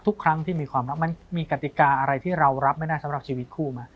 ทุกครั้งที่มีความรักมันมีกติกาอะไรที่เรารับไม่ได้สำหรับชีวิตคู่ไหม